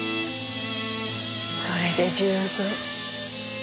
それで十分。